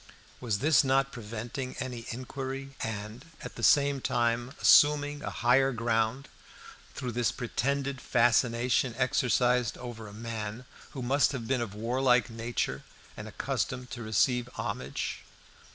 Was this not preventing any inquiry, and, at the same time, assuming a higher ground through this pretended fascination exercised over a man who must have been of warlike nature and accustomed to receive homage?